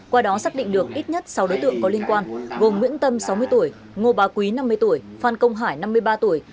qua đó xác định được ít nhất sáu đối tượng có liên quan gồm nguyễn tâm sáu mươi tuổi ngô bà quý năm mươi tuổi phan công hải năm mươi ba tuổi